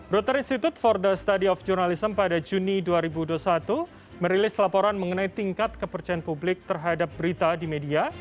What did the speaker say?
reuter institute for the study of journalism pada juni dua ribu dua puluh satu merilis laporan mengenai tingkat kepercayaan publik terhadap berita di media